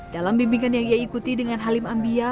dalam bimbingan yang ia ikuti dengan halim ambia